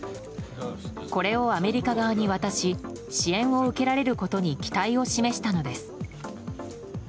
これをアメリカ側に渡し支援を受けられることに期待を示したのです。